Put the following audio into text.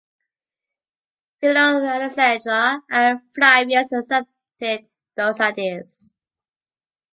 Philo of Alexandria and Flavius accepted those ideas.